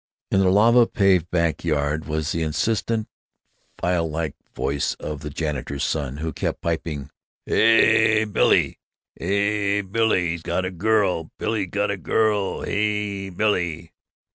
In the lava paved back yard was the insistent filelike voice of the janitor's son, who kept piping: "Haaay, Bil lay, hey; Billy's got a girl! Hey, Billy's got a girl! Haaay, Bil lay!"